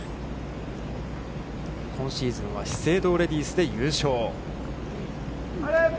今シーズンは資生堂レディスで優勝。